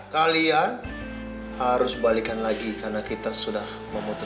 kalian harus balikan lagi karena kita setuju